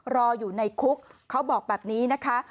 รออยู่ในคุกเขาบอกแบบนี้นะคะ